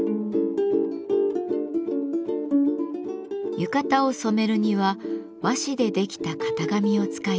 浴衣を染めるには和紙でできた型紙を使います。